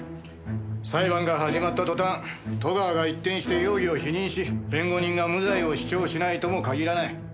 裁判が始まった途端戸川が一転して容疑を否認し弁護人が無罪を主張しないとも限らない。